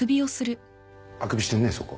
あくびしてんねそこ。